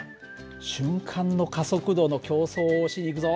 瞬間の加速度の競争をしに行くぞ。